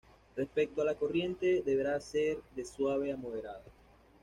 Respecto a la corriente, deberá ser de suave a moderada.